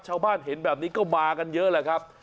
ชาวบ้านเห็นแบบนี้ก็มากันเยอะแหละครับ